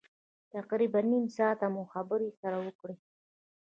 تقریبا نیم ساعت مو خبرې سره وکړې.